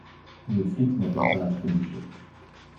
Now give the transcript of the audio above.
Le flic n'appelle pas à trébucher.